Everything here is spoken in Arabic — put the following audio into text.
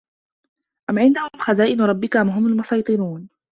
أَم عِندَهُم خَزائِنُ رَبِّكَ أَم هُمُ المُصَيطِرونَ